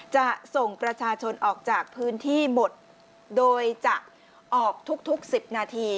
จะส่งประชาชนออกจากพื้นที่หมดโดยจะออกทุก๑๐นาที